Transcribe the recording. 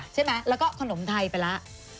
ใช่ไหมแล้วก็ขนมไทยไปแล้ว